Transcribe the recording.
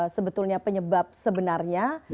sebetulnya penyebab sebenarnya